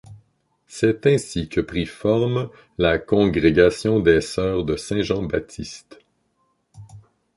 C'est ainsi que prit forme la congrégation des sœurs de saint Jean Baptiste.